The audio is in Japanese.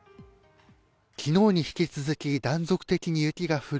昨日に引き続き断続的に雪が降る